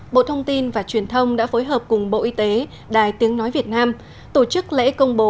bộ thông tin và truyền thông đã phối hợp cùng bộ y tế đài tiếng nói việt nam tổ chức lễ công bố